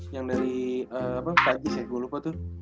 yang dari apa khaji saya gua lupa tuh